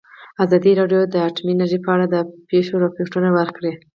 ازادي راډیو د اټومي انرژي په اړه د پېښو رپوټونه ورکړي.